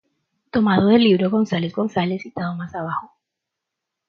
Tomado del libro de González González citado más abajo.